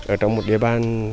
ở trong một địa bàn